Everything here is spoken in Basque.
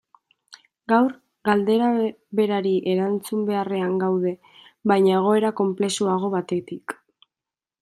Gaur, galdera berari erantzun beharrean gaude, baina egoera konplexuago batetik.